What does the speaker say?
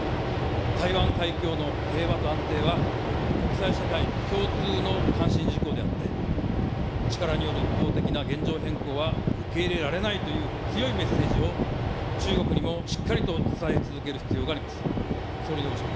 台湾海峡の平和と安定は、国際社会共通の関心事項であって、力による一方的な現状変更は受け入れられないという強いメッセージを、中国にもしっかりと伝え続ける必要があります。